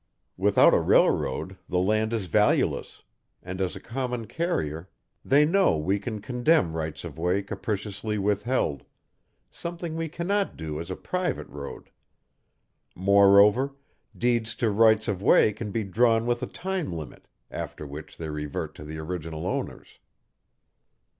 Without a railroad the land is valueless; and as a common carrier they know we can condemn rights of way capriciously withheld something we cannot do as a private road. Moreover, deeds to rights of way can be drawn with a time limit, after which they revert to the original owners."